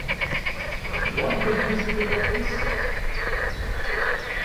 What business is it of his?